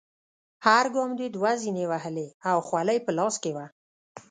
هر ګام دې دوه زینې وهلې او خولۍ په لاس کې وه.